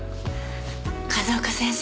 風丘先生